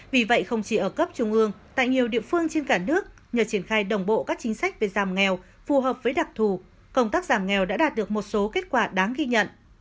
vì vậy không chỉ ở cấp trung ương tại nhiều địa phương trên cả nước nhờ triển khai đồng bộ các chính sách về giảm nghèo phù hợp với đặc thù công tác giảm nghèo đã đạt được một số kết quả đáng ghi nhận